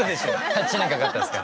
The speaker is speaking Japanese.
８年かかったんですか。